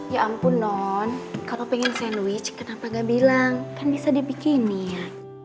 ya ampun non kalau pengen sandwich kenapa gak bilang kan bisa dibikin ya